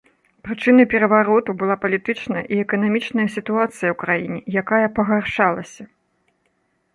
Прычынай перавароту была палітычная і эканамічная сітуацыя ў краіне, якая пагаршалася.